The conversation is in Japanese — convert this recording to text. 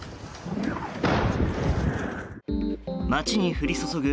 街に降り注ぐ